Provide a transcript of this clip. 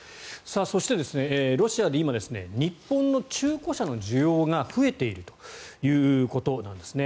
そして、ロシアで今、日本の中古車の需要が増えているということなんですね。